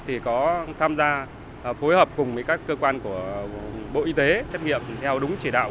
thì có tham gia phối hợp cùng với các cơ quan của bộ y tế xét nghiệm theo đúng chỉ đạo